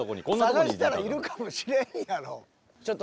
探したらいるかもしれんやろ。